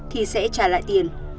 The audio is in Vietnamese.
thì sẽ trả lại tiền